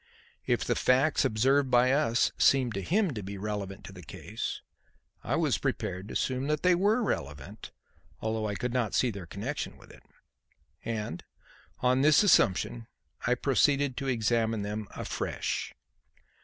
If the facts observed by us seemed to him to be relevant to the case, I was prepared to assume that they were relevant, although I could not see their connection with it. And, on this assumption, I proceeded to examine them afresh.